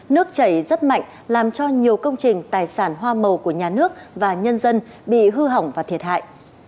nước chảy rất mạnh làm cho nhiều công trình tài sản hoa màu của nhà nước và nhân dân bị hư hỏng và thiệt hại